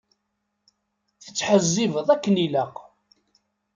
Tettḥezzibeḍ akken ilaq.